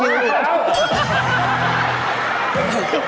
พี่น้องกินหน่อย